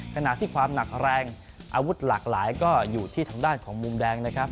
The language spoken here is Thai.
ขณะที่ความหนักแรงอาวุธหลากหลายก็อยู่ที่ทางด้านของมุมแดงนะครับ